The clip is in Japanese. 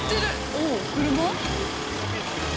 おおっ車？